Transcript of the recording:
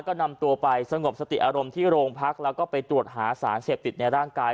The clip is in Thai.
ก็นำตัวไปสงบสติอารมณ์ที่โรงพักแล้วก็ไปตรวจหาสารเสพติดในร่างกาย